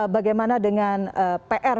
bagaimana dengan pr gitu ya penanganan budaya